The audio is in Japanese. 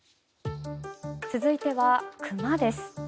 続いては熊です。